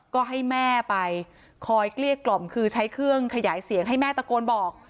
ก็ให้แม่ไปคอยเกลี้ยกล่อมคือใช้เครื่องขยายเสียงให้แม่ตะโกนบอก